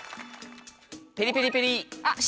ペリペリペリ。